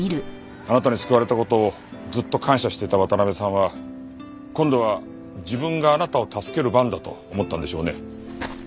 あなたに救われた事をずっと感謝してた渡辺さんは今度は自分があなたを助ける番だと思ったんでしょうね。